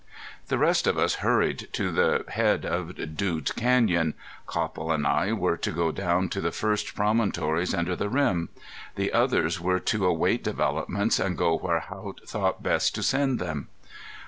The rest of us hurried to the head of Dude Canyon. Copple and I were to go down to the first promontories under the rim. The others were to await developments and go where Haught thought best to send them.